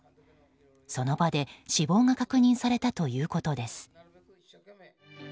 その場で死亡が確認されたということです。